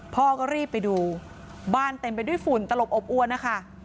พ่อก็รีบไปดูบ้านเต็มไปด้วยฝุ่นตลบอบอวนนะคะ